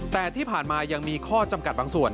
แต่ที่ผ่านมายังมีข้อจำกัดบางส่วน